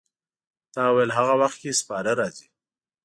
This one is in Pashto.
تا ویل هغه وخت کې سپاره راځي.